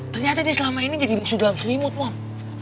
ternyata dia selama ini jadi mungsu dalam selimut mom